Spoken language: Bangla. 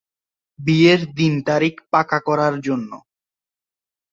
বিয়ের দিন তারিখ পাকা করার জন্য।